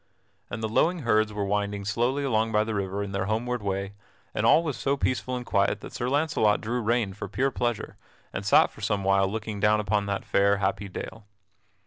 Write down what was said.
And the lowing herds were winding slowly along by the river in their homeward way, and all was so peaceful and quiet that Sir Launcelot drew rein for pure pleasure, and sat for some while looking down upon that fair, happy dale.